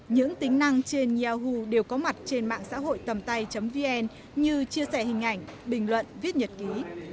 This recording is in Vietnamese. những tính năng trên yahoo đều có mặt trên mạng xã hội tầmtay vn như chia sẻ hình ảnh bình luận viết nhật ký